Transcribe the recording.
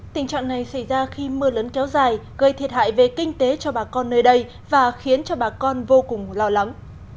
tình trạng này xảy ra khi mưa lớn kéo dài gây thiệt hại về kinh tế cho bà con nơi đây và khiến cho bà con vô cùng lo lắng